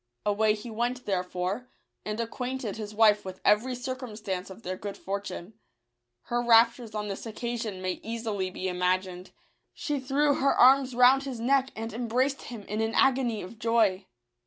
Away he went therefore, and acquainted his wife with every circumstance of their good fortune. Her raptures on this occasion may easily be imagined ; she threw her arms round his neck and embraced him in an agony of joy.